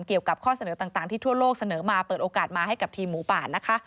เกี่ยวกับข้อเสนอต่างที่ทั่วโลกเสนอมาเปิดโอกาสมาให้กับทีมหมูป่านะคะ